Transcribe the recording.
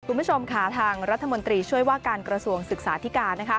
คุณผู้ชมค่ะทางรัฐมนตรีช่วยว่าการกระทรวงศึกษาธิการ